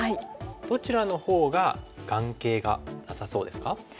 どちらのほうが眼形がなさそうですか？